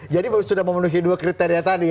jadi sudah memenuhi dua kriteria tadi ya